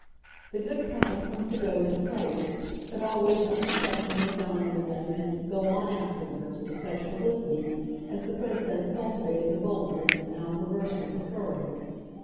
The good couple from Cadogan Place could always unprotestingly dine with them and "go on" afterwards to such publicities as the Princess cultivated the boldness of now perversely preferring.